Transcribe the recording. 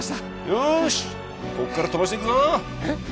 よしここから飛ばしていくぞえっ？